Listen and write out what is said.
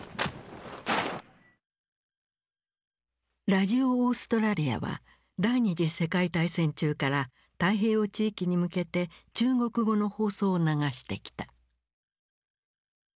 ラジオ・オーストラリアは第二次世界大戦中から太平洋地域に向けて中国語の放送を流してきた。